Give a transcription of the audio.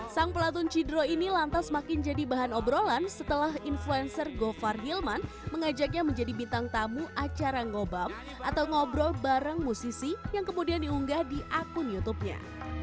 sang pelatun cidro ini lantas makin jadi bahan obrolan setelah influencer govar hilman mengajaknya menjadi bintang tamu acara ngobam atau ngobrol bareng musisi yang kemudian diunggah di akun youtubenya